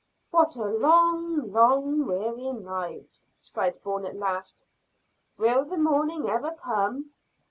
"What a long, long, weary night!" sighed Bourne at last. "Will the morning never come?"